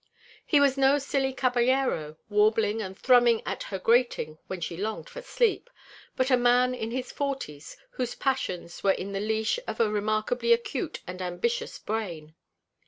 He was no silly caballero warbling and thrumming at her grating when she longed for sleep, but a man in his forties whose passions were in the leash of a remarkably acute and ambitious brain.